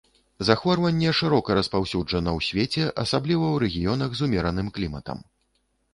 Захворванне шырока распаўсюджана ў свеце, асабліва ў рэгіёнах з умераным кліматам.